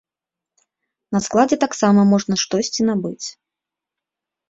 На складзе таксама можна штосьці набыць.